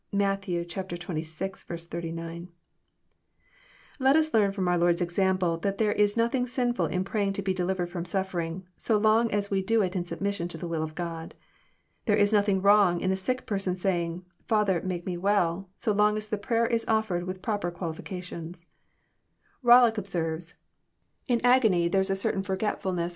(Matt. xxvi. 39.) Let us learn fh>m our Lord's example that there is nothing sinftil in praying to be delivered Arom suflierlng, so long as we do it in submission to the will of God. Thei e is nothing wrong in a sick person*s saying, << Father, make me well,'* so long as the prayer is offered with proper qualification Bollock observes :«* In as^ny there Is a certain fbrgetftilnesa JOHN, cnAP.